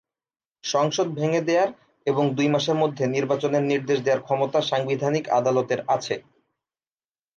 সংসদ ভেঙে দেওয়ার এবং দুই মাসের মধ্যে নির্বাচনের নির্দেশ দেওয়ার ক্ষমতা সাংবিধানিক আদালতের আছে।